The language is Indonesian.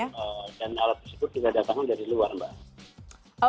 ya dari jepang dan alat tersebut tidak datang dari luar mbak